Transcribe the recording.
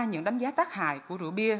những đánh giá tác hại của rượu bia